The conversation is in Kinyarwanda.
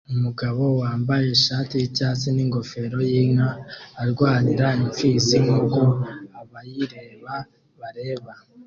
Umugabo wambaye ishati yicyatsi ningofero yinka arwanira impfizi nkuko abayireba bareba